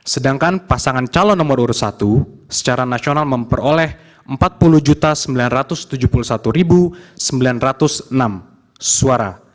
sedangkan pasangan calon nomor urut satu secara nasional memperoleh empat puluh sembilan ratus tujuh puluh satu sembilan ratus enam suara